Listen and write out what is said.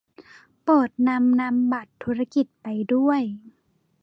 โปรดนำนามบัตรธุรกิจไปด้วย